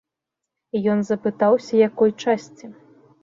Ён запытаўся, якой часці.